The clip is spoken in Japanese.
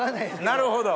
なるほど。